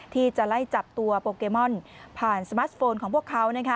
ที่จะไล่จับตัวโปแกโมนผ่านสมาสต์โฟนของพวกเขา